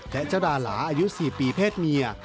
และเจ้าดาหลาอายุ๔ปีเพศเมีย